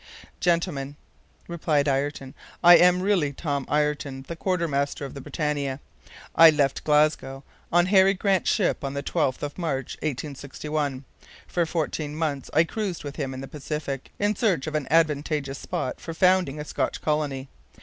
"Gentlemen," replied Ayrton, "I am really Tom Ayrton, the quartermaster of the BRITANNIA. I left Glasgow on Harry Grant's ship on the 12th of March, 1861. For fourteen months I cruised with him in the Pacific in search of an advantageous spot for founding a Scotch colony.